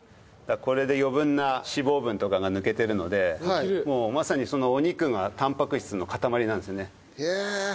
これで余分な脂肪分とかが抜けてるのでもうまさにそのお肉がたんぱく質の塊なんですね。